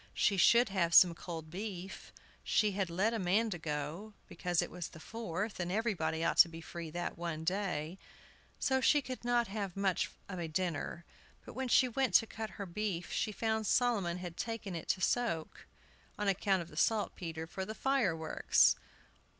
She should have some cold beef. She had let Amanda go, because it was the Fourth, and everybody ought to be free that one day; so she could not have much of a dinner. But when she went to cut her beef she found Solomon had taken it to soak, on account of the saltpetre, for the fireworks!